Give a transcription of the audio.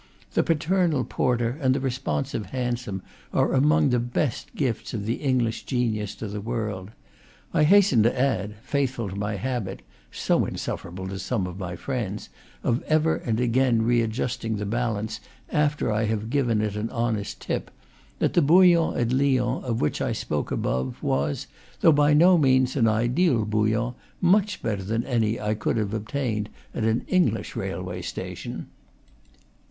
The paternal porter and the re sponsive hansom are among the best gifts of the Eng lish genius to the world. I hasten to add, faithful to my habit (so insufferable to some of my friends) of ever and again readjusting the balance after I have given it an honest tip, that the bouillon at Lyons, which I spoke of above, was, though by no means an ideal bouillon, much better than any I could have obtained at an English railway station.